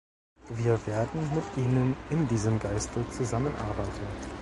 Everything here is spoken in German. Wir werden mit Ihnen in diesem Geiste zusammenarbeiten.